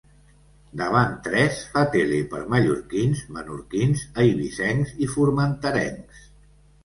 Davant tres fa tele per mallorquins, menorquins, eivissencs i formenterencs.